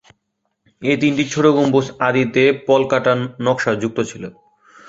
এ তিনটি ছোট গম্বুজ আদিতে পলকাটা নকশাযুক্ত ছিল।